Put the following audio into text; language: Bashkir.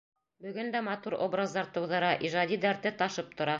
Бөгөн дә матур образдар тыуҙыра, ижади дәрте ташып тора.